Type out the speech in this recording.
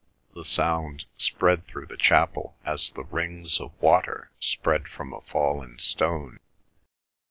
The sound spread through the chapel as the rings of water spread from a fallen stone.